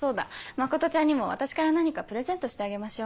真ちゃんにも私から何かプレゼントしてあげましょう。